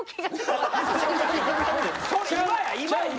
それ今や今今！